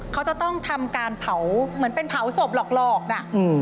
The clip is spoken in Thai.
เขาจะต้องทำการเผาเหมือนเป็นเผาศพหลอกน่ะ